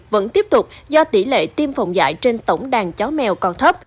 vẫn tiếp tục do tỷ lệ tiêm phòng dạy trên tổng đàn chó mèo còn thấp